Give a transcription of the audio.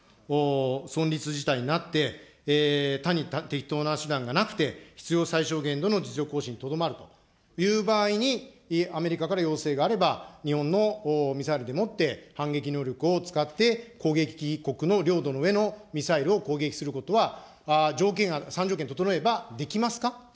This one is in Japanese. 存立事態になって、他に適当な手段がなくて、必要最小限度の実力行使に伴うという場合に、アメリカから要請があれば、日本のミサイルでもって反撃能力を使って攻撃国の領土の上のミサイルを攻撃することは、条件が、３条件整えば、できますか。